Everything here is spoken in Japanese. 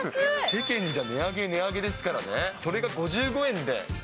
世間じゃ値上げ値上げですからね、それが５５円で。